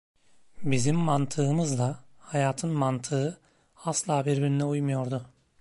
Bizim mantığımızla hayatın mantığı asla birbirine uymuyordu.